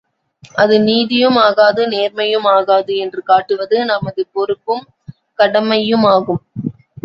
அது நீதியுமாகாது நேர்மையு மாகாது என்று காட்டுவது நமது பொறுப்பும் கடமையுமாகும்.